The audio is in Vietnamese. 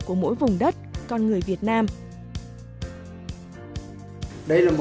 của mỗi vùng đất con người việt nam